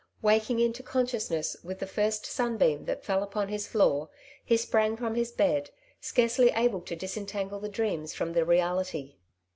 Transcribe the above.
Waking into consciousness with the first sunbeam that fell upon his floor, he sprang from his bed, scarcely able to disentangle the dreams fi"om the reality.